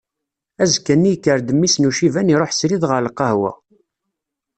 Azekka-nni yekker-d mmi-s n uciban iruḥ srid ɣer lqahwa.